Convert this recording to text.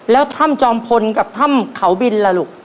แล้วถ้ำจอมพลกับถ้ำเขาบินล่ะลูก